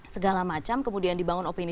segala macam kemudian dibangun opini